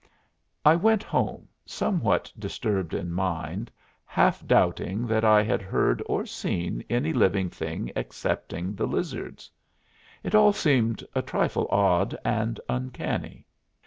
I went home, somewhat disturbed in mind, half doubting that I had heard or seen any living thing excepting the lizards. It all seemed a trifle odd and uncanny.